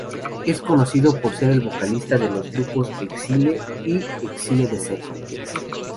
Es conocido por ser el vocalista de los grupos Exile y Exile The Second.